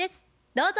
どうぞ。